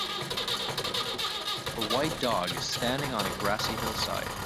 A white dog is standing on a grassy hillside.